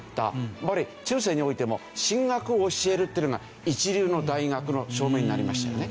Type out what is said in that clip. やっぱり中世においても神学を教えるっていうのが一流の大学の証明になりましたよね。